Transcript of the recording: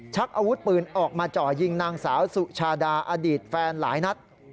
ชักอาวุธปืนออกมาจ่อยิงนางสาวสุชาดาอดีตแฟนหลายนัด